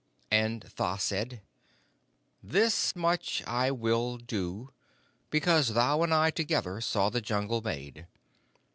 And Tha said: 'This much I will do, because thou and I together saw the Jungle made.